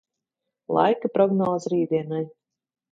Laika prognoze rītdienai.